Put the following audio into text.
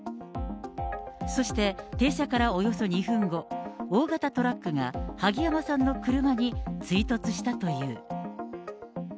そして停車からおよそ２分後、大型トラックが萩山さんの車に追突したという。